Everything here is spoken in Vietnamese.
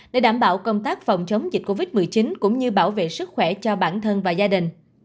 để đảm bảo công tác phòng chống dịch covid một mươi chín cũng như bảo vệ sức khỏe cho bản thân và gia đình